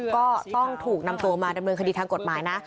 ก็ต้องถูกนำตัวมาดำเนินคดีทางกฎหมายนะ